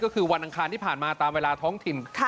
ก็คือวันอังคารที่ผ่านมาตามเวลาท้องถิ่น